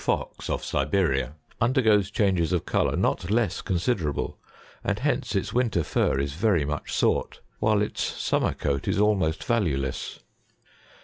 Fox of Siberia, undergoes changes of colour not less consider able, and hence its winter fur is very much sought, while its sum mer coat is almost valueless.